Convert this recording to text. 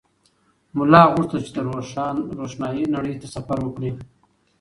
ملا غوښتل چې د روښنایۍ نړۍ ته سفر وکړي.